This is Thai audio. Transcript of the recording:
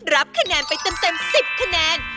รับคะแนนไปเต็ม๑๐คะแนน